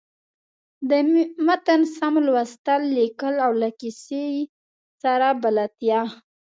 د متن سم لوستل، ليکل او له کیسۍ سره بلدتیا.